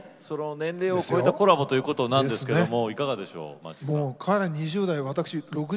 年齢を超えたコラボということなんですけどもいかがでしょうマーチンさん。